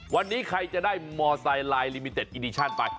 วันนี้ใครจะได้มอไซค์ไลน์ลิมิเต็ดอิดิชั่นไป